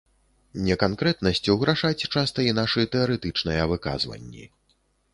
Неканкрэтнасцю грашаць часта і нашы тэарэтычныя выказванні.